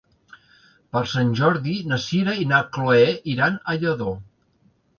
Per Sant Jordi na Sira i na Chloé iran a Lladó.